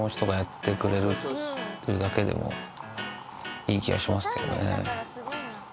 いい気がしますけどね。